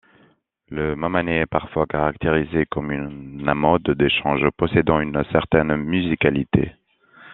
Le mamanais est parfois caractérisé comme un mode d'échange possédant une certaine musicalité.